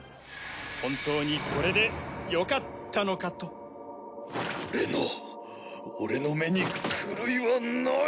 本当にこれでよかったのかと俺の俺の目に狂いはない！